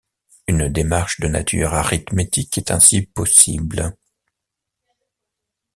Une démarche de nature arithmétique est ainsi possible.